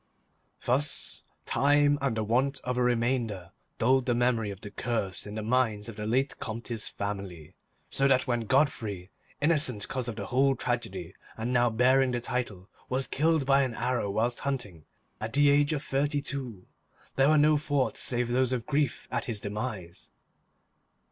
Thus time and the want of a reminder dulled the memory of the curse in the minds of the late Comte's family, so that when Godfrey, innocent cause of the whole tragedy and now bearing the title, was killed by an arrow whilst hunting, at the age of thirty two, there were no thoughts save those of grief at his demise.